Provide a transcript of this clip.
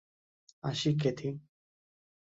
আসি, ক্যাথি।